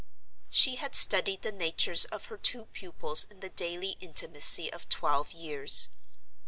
She had studied the natures of her two pupils in the daily intimacy of twelve years.